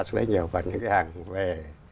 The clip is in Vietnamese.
xuất lấy nhiều và những cái hàng về